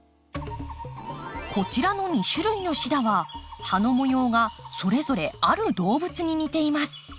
こちらの２種類のシダは葉の模様がそれぞれある動物に似ています。